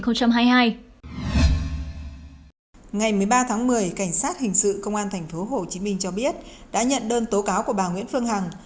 ngày một mươi ba tháng một mươi cảnh sát hình sự công an tp hcm cho biết đã nhận đơn tố cáo của bà nguyễn phương hằng